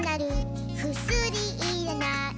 「くすりいらない」